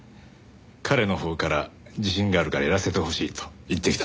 彼のほうから「自信があるからやらせてほしい」と言ってきたんです。